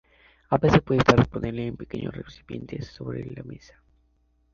A veces puede estar disponible en pequeños recipientes sobre la mesa.